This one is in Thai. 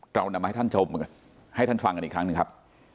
เรานำมาให้ท่านชมให้ท่านฟังกันอีกครั้งหนึ่งครับ